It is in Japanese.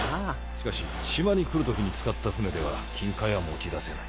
しかし島に来る時に使った船では金塊は持ち出せない。